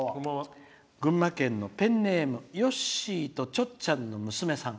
群馬県のペンネームよっしーとちょっちゃんの娘さん。